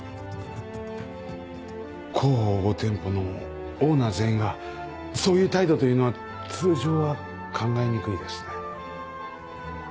候補５店舗のオーナー全員がそういう態度というのは通常は考えにくいですね。